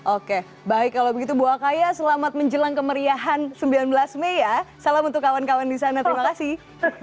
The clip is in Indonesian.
oke baik kalau begitu bu akaya selamat menjelang kemeriahan sembilan belas mei ya salam untuk kawan kawan di sana terima kasih